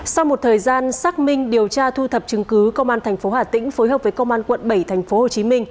sau một thời gian xác minh điều tra thu thập chứng cứ công an tp hà tĩnh phối hợp với công an quận bảy tp hcm